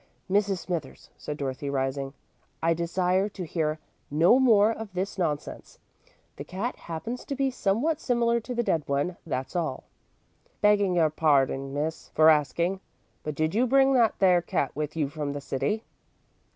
"Mrs. Smithers," said Dorothy, rising, "I desire to hear no more of this nonsense. The cat happens to be somewhat similar to the dead one, that's all." "Begging your parding, Miss, for askin', but did you bring that there cat with you from the city?"